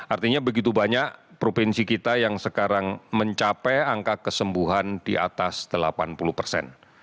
artinya begitu banyak provinsi kita yang sekarang mencapai angka kesembuhan di atas delapan puluh persen